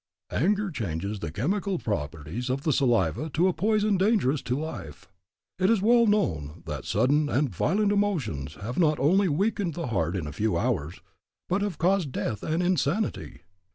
Anger changes the chemical properties of the saliva to a poison dangerous to life. It is well known that sudden and violent emotions have not only weakened the heart in a few hours, but have caused death and insanity.